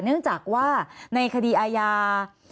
เนื่องจากว่าในคดีอาญา